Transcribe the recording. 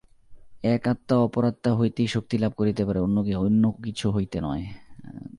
এক আত্মা অপর আত্মা হইতেই শক্তি লাভ করিতে পারে, অন্য কিছু হইতে নয়।